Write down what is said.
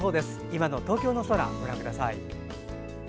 今の東京の空ご覧ください。